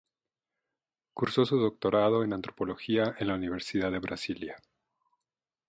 Cursó su doctorado en Antropología en la Universidad de Brasilia.